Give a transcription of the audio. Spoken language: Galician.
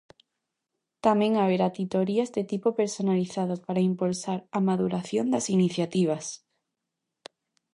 Tamén haberá titorías de tipo personalizado para impulsar a maduración das iniciativas.